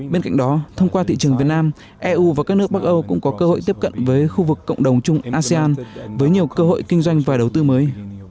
bên cạnh đó thông qua thị trường việt nam eu và các nước bắc âu cũng có cơ hội tiếp cận với khu vực cộng đồng chung asean với nhiều cơ hội kinh doanh và đầu tư mới